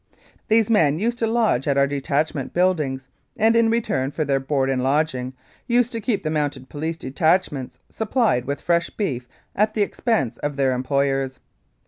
These men used to lodge at our detachment buildings, and, in return for their board and lodging, used to keep the Mounted Police detachments supplied with fresh beef at the expense of their employers.